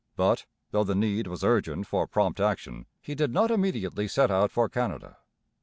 But, though the need was urgent for prompt action, he did not immediately set out for Canada.